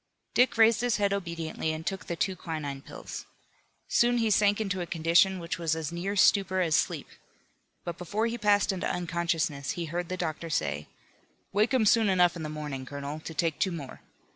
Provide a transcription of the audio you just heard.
Dick raised his head obediently and took the two quinine pills. Soon he sank into a condition which was as near stupor as sleep. But before he passed into unconsciousness he heard the doctor say: "Wake him soon enough in the morning, Colonel, to take two more.